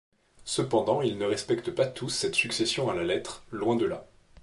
Cependant ils ne respectent pas tous cette succession à la lettre, loin de là.